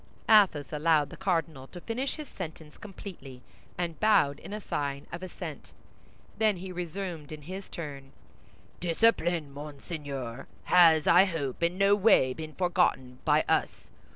Athos allowed the cardinal to finish his sentence completely, and bowed in sign of assent. Then he resumed in his turn: "Discipline, Monseigneur, has, I hope, in no way been forgotten by us.